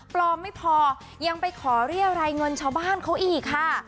ปลอมไม่พอยังไปขอเรียรายเงินชาวบ้านเขาอีกค่ะ